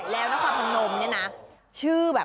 แล้วนครพนมเนี่ยนะ